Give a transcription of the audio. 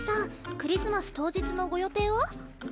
クリスマス当日のご予定は？